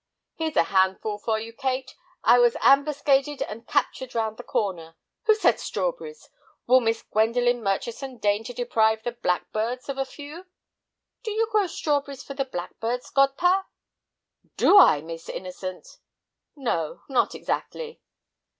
"Here's a handful for you, Kate; I was ambuscaded and captured round the corner. Who said strawberries? Will Miss Gwendolen Murchison deign to deprive the blackbirds of a few?" "Do you grow stawberries for the blackbirds, godpa?" "Do I, Miss Innocent! No, not exactly."